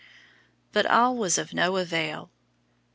But all was of no avail.